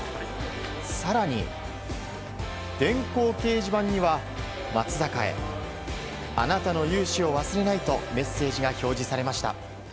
更に、電光掲示板には松坂へあなたの雄姿を忘れないとメッセージが表示されました。